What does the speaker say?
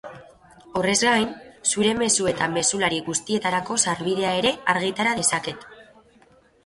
Horrez gain, zure mezu eta mezulari guztietarako sarbidea ere argitara dezaket.